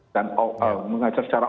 dan mengajar secara